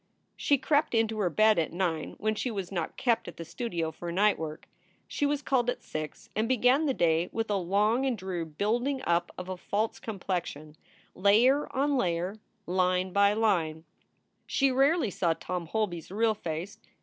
She crept into her bed at nine when she was not kept at the studio for night work. She was called at six and began the day with a long and dreary building up of a false complexion, layer on layer, line by line. She rarely saw Tom Holby s real face.